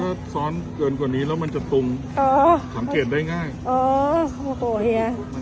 ถ้าซ้อนเกินกว่านี้แล้วมันจะตุมอ๋อสังเกตได้ง่ายอ๋อโอ้โหเฮีย